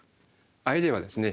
アイデアはですね